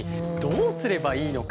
どうすればいいの？